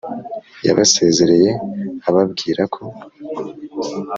yabasezereye ababwira ko